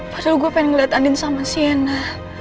padahal gue pengen ngeliat andin sama siena